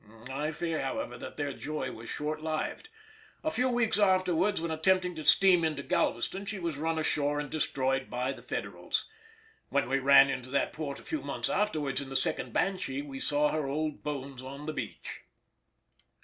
I fear, however, that their joy was short lived; a few weeks afterwards when attempting to steam into Galveston she was run ashore and destroyed by the Federals. When we ran into that port a few months afterwards in the second Banshee we saw her old bones on the beach.